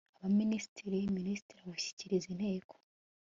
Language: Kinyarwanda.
Abaminisitiri Minisitiri awushyikiriza Inteko